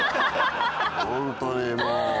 ホントにもう。